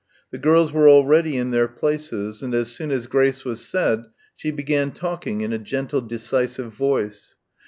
The girls were already in their places, and as soon as grace was said she began talking in a gentle decisive voice.